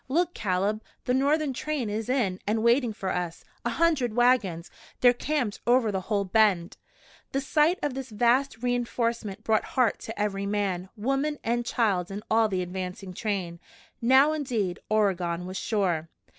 "Look, Caleb, the Northern train is in and waiting for us! A hundred wagons! They're camped over the whole bend." The sight of this vast re enforcement brought heart to every man, woman and child in all the advancing train. Now, indeed, Oregon was sure.